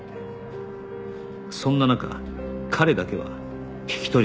そんな中彼だけは引き取り手がなかった